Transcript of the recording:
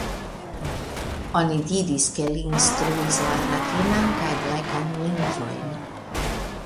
Oni diris ke li instruis la Ratinan kaj Blekan lingvojn.